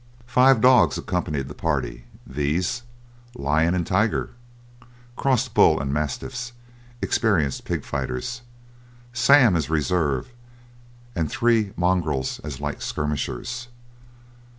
Five dogs accompanied the party, viz., Lion and Tiger, crossbred bull and mastiffs, experienced pig fighters, Sam as a reserve, and three mongrels as light skirmishers.